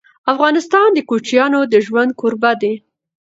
افغانستان د کوچیانو د ژوند کوربه دی.